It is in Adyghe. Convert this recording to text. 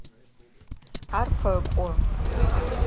Ар къэкӏо.